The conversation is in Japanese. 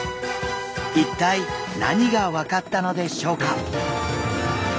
一体何が分かったのでしょうか？